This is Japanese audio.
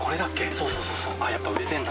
そうそうそう、やっぱ売れてんだ。